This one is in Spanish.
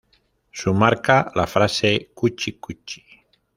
Su marca, la frase "cuchi, cuchi".